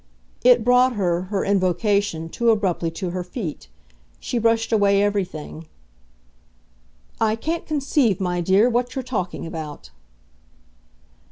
It brought her, her invocation, too abruptly to her feet. She brushed away everything. "I can't conceive, my dear, what you're talking about!"